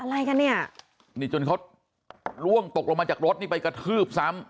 อะไรกันเนี่ยนี่จนเขาล่วงตกลงมาจากรถนี่ไปกระทืบซ้ำ